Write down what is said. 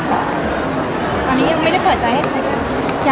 ตอนนี้ยังไม่ได้เผิดใจกับใคร่ะ